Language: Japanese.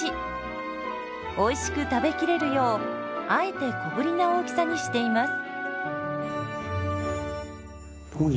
おいしく食べきれるようあえて小ぶりな大きさにしています。